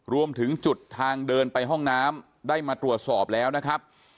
รวมถึงจุดทางเดินไปห้องน้ำได้มาตรวจสอบแล้วนะครับ